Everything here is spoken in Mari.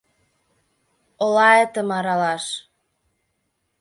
Олаэтым аралаш